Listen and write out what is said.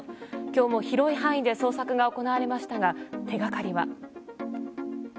今日も広い範囲で捜索が行われましたが手掛かりは。